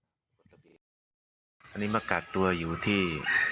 ในมการตัวอยู่ที่